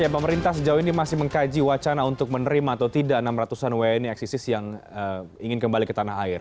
pemerintah sejauh ini masih mengkaji wacana untuk menerima atau tidak enam ratus an wni eksisis yang ingin kembali ke tanah air